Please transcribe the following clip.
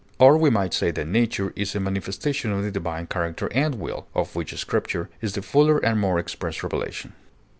Or we might say that nature is a manifestation of the divine character and will, of which Scripture is the fuller and more express revelation.